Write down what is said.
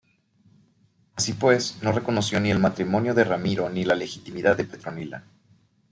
Así pues, no reconoció ni el matrimonio de Ramiro ni la legitimidad de Petronila.